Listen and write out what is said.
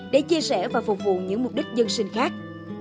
để chia sẻ và phục vụ những mục đích dân sinh khác